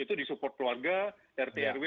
itu disupport keluarga rt rw